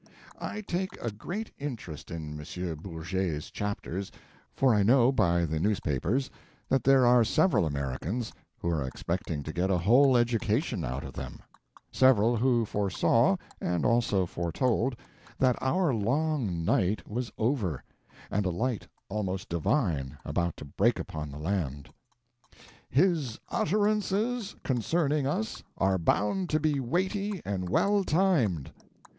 I take a great interest in M. Bourget's chapters, for I know by the newspapers that there are several Americans who are expecting to get a whole education out of them; several who foresaw, and also foretold, that our long night was over, and a light almost divine about to break upon the land. "His utterances concerning us are bound to be weighty and well timed."